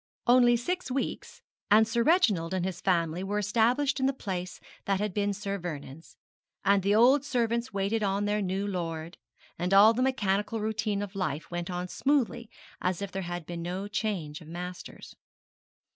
Only six weeks, and Sir Reginald and his family were established in the place that had been Sir Vernon's, and the old servants waited on their new lord, and all the mechanical routine of life went on as smoothly as if there had been no change of masters.